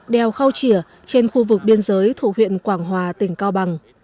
đèo khao chỉa trên khu vực biên giới thủ huyện quảng hòa tỉnh cao bằng